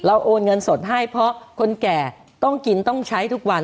โอนเงินสดให้เพราะคนแก่ต้องกินต้องใช้ทุกวัน